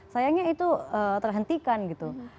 sayangnya itu terhentikan gitu